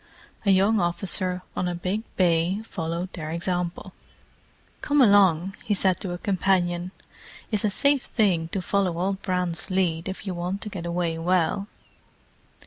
A young officer on a big bay followed their example. "Come along," he said to a companion. "It's a safe thing to follow old Brand's lead if you want to get away well."